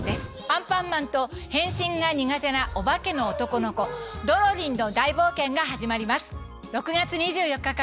アンパンマンと変身が苦手なオバケの男の子ドロリンの大冒険が始まります。